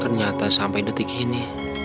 ternyata sampai detik ini